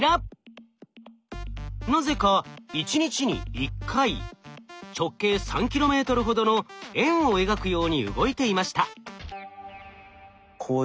なぜか一日に１回直径３ｋｍほどの円を描くように動いていました。